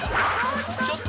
ちょっと！